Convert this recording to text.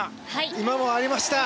今もありました！